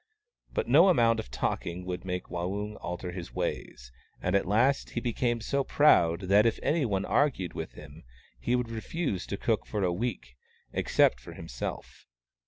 But no amount of talking would make Waung alter his ways, and at last he became so proud that if anyone argued with him he would refuse to cook for a week, except for himself.